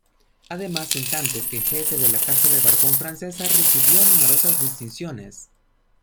Además, en tanto que Jefe de la Casa de Borbón francesa, recibió numerosas distinciones.